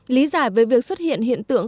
lý giải về việc xuất hiện hiện tượng